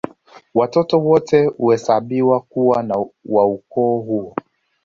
Watoto wote huhesabiwa kuwa wa ukoo huo